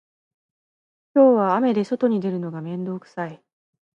今日は雨で外に出るのが面倒くさい